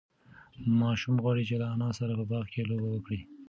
ماشوم غواړي چې له انا سره په باغ کې لوبه وکړي.